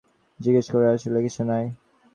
জিজ্ঞেস করার আসলে কিছু নাই।